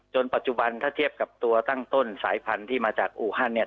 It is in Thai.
ปัจจุบันถ้าเทียบกับตัวตั้งต้นสายพันธุ์ที่มาจากอูฮันเนี่ย